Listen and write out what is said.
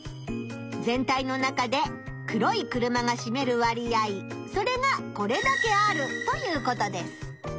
全体の中で黒い車がしめる割合それがこれだけあるということです。